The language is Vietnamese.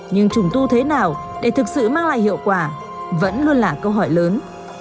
nhưng trùng tu thế nào để thực sự mang lại hiệu quả vẫn luôn là câu hỏi lớn